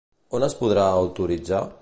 On es podrà autoritzar?